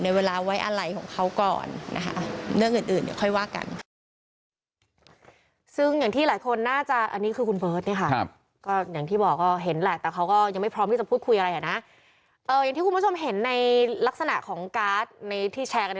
ในเวลาไว้อะไรของเขาก่อนนะคะ